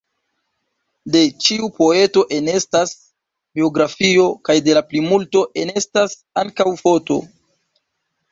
De ĉiu poeto enestas biografio, kaj de la plimulto enestas ankaŭ foto.